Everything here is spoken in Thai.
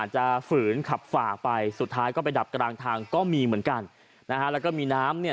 ฝืนขับฝ่าไปสุดท้ายก็ไปดับกลางทางก็มีเหมือนกันนะฮะแล้วก็มีน้ำเนี่ย